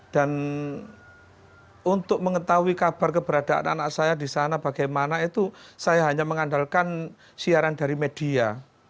dan untuk mengetahui kabar keberadaan anak saya di sana bagaimana itu saya hanya mengandalkan siaran dari media